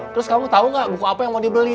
terus kamu tahu nggak buku apa yang mau dibeli